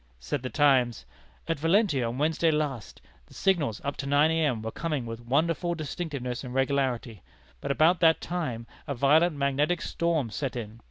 Said the Times: "At Valentia, on Wednesday last, the signals, up to nine A.M., were coming with wonderful distinctness and regularity, but about that time a violent magnetic storm set in.